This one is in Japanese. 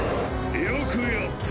よくやった！